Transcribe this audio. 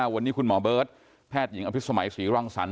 วันนี้คุณหมอเบิร์ตแพทย์หญิงอภิษมัยศรีรังสรรค